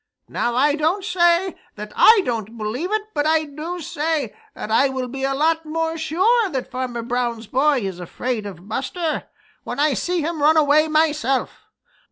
Now I don't say that I don't believe it, but I do say that I will be a lot more sure that Farmer Brown's boy is afraid of Buster when I see him run away myself.